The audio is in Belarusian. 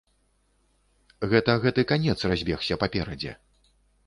Гэта гэты канец разбегся паперадзе.